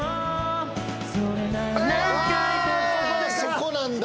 そこなんだ。